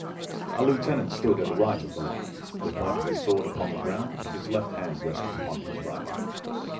A lieutenant stood at the right of the line, the point of his sword upon the ground, his left hand resting upon his right.